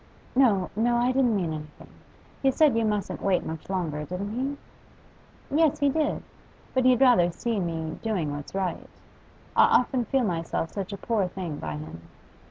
'No no I didn't mean anything. He said you mustn't wait much longer, didn't he?' 'Yes, he did. But he'd rather see me doing what's right. I often feel myself such a poor thing by him.